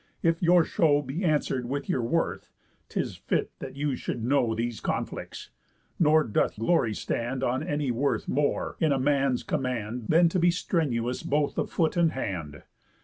If your show Be answer'd with your worth, 'tis fit that you Should know these conflicts. Nor doth glory stand On any worth more, in a man's command, Than to be strenuous both of foot and hand.